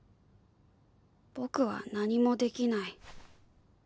僕は何もできない。